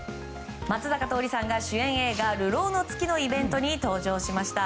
松坂桃李さんが、主演映画「流浪の月」のイベントに登場しました。